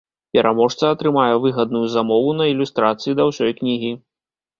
Пераможца атрымае выгадную замову на ілюстрацыі да ўсёй кнігі.